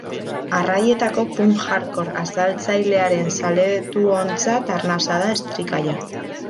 Erraietako punk-hardcore asaldatzailearen zaletuontzat arnasa da Estricalla.